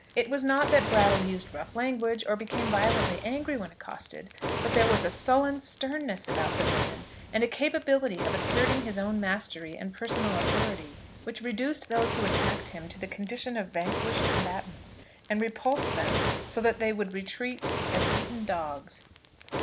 It was not that Brattle used rough language, or became violently angry when accosted; but there was a sullen sternness about the man, and a capability of asserting his own mastery and personal authority, which reduced those who attacked him to the condition of vanquished combatants, and repulsed them, so that they would retreat as beaten dogs.